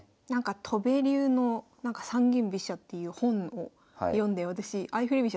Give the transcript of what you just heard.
戸辺流の三間飛車っていう本を読んで私相振り飛車